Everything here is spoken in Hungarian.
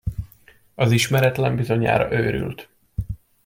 Az ismeretlen bizonyára őrült.